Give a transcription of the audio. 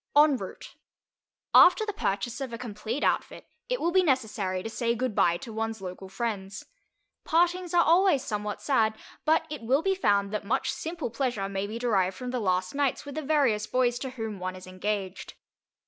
EN ROUTE After the purchase of a complete outfit, it will be necessary to say goodbye to one's local friends. Partings are always somewhat sad, but it will be found that much simple pleasure may be derived from the last nights with the various boys to whom one is engaged.